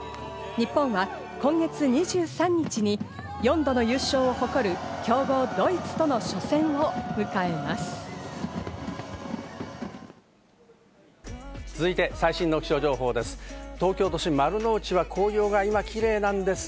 日本は今月２３日に４度の優勝を誇る強豪ドイツとの初戦を迎えます。